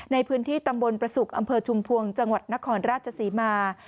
ในพื้นที่ตำบลประสุกอำเภอชุมพวงจังหวัดนครราชศรีมา